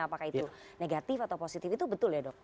apakah itu negatif atau positif itu betul ya dok